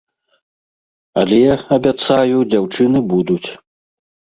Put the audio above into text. Але, абяцаю, дзяўчыны будуць.